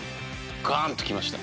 ガーンときました。